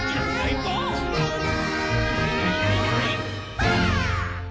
ばあっ！